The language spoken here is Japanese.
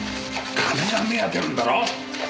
金が目当てなんだろ？